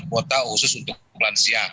kuota khusus untuk melansia